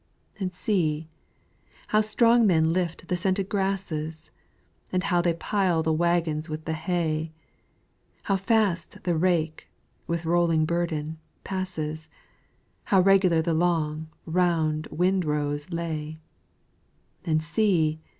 And see, how strong men lift the scented grasses! And how they pile the wagons with the hay! How fast the rake, with rolling burden, passes! How regular the long, round winrows lay! And see!